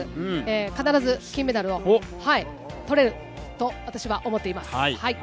必ず金メダルを取れると私は思っています。